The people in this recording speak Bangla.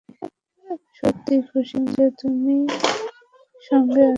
আমি সত্যিই খুশি যে তুমি সঙ্গে আছো, টেলস।